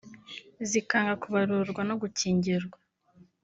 zikanga kubarurwa no gukingirwa